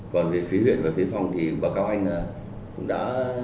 còn về phía huyện và phía phòng thì bà cao anh cũng đã